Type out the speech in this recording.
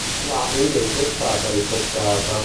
La invece è stata ripescata.